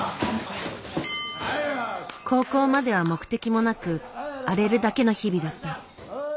高校までは目的もなく荒れるだけの日々だった。